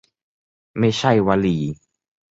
ไม่ใช่วลี